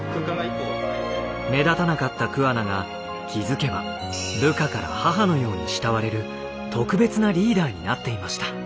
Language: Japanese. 目立たなかった桑名が気付けば部下から母のように慕われる特別なリーダーになっていました。